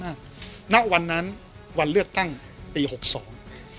เมื่อวานเลือดตั้งปี๖๒น